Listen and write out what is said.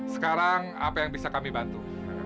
sekarang apa yang bisa kami bantu